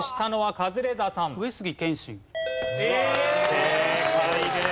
正解です。